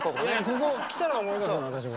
ここ来たら思い出すの私も。